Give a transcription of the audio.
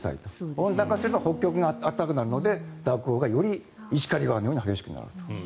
温暖化すれば北極が暖かくなるので蛇行がより石狩川のように激しくなる。